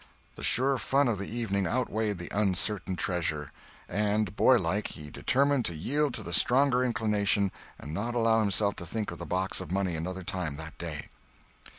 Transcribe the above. The sure fun of the evening outweighed the uncertain treasure; and, boy like, he determined to yield to the stronger inclination and not allow himself to think of the box of money another time that day.